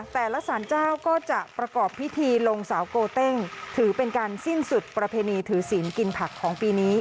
แต่ละสารเจ้าก็จะประกอบพิธีลงสาวโกเต้งถือเป็นการสิ้นสุดประเพณีถือศีลกินผักของปีนี้